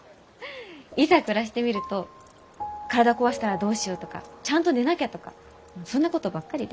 いざ暮らしてみると体壊したらどうしようとかちゃんと寝なきゃとかそんなことばっかりで。